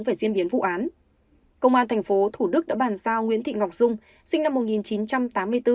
về diễn biến vụ án công an tp thủ đức đã bàn giao nguyễn thị ngọc dung sinh năm một nghìn chín trăm tám mươi bốn